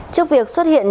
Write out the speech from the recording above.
trước việc xuất hiện